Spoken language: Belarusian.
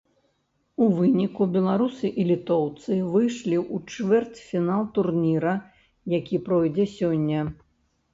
У выніку, беларусы і літоўцы выйшлі ў чвэрцьфінал турніра, які пройдзе сёння.